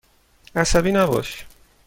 عصبی نباش.